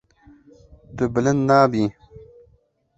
Tu bilind nabî.